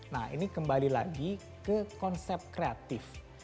nah ini kembali lagi ke konsep kreatif